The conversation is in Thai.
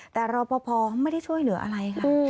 แต่รอปภไม่ได้ช่วยเหลืออะไรค่ะ